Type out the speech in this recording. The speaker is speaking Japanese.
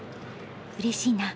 うれしいな。